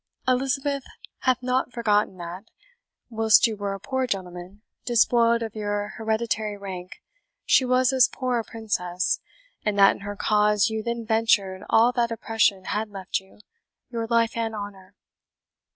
"Elizabeth hath not forgotten that, whilst you were a poor gentleman, despoiled of your hereditary rank, she was as poor a princess, and that in her cause you then ventured all that oppression had left you your life and honour.